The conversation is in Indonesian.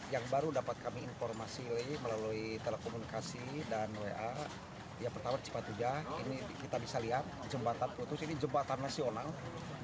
yang baru dapat kami informasi melalui telekomunikasi dan wa yang pertama cipatujah ini kita bisa lihat jembatan putus ini jembatan nasional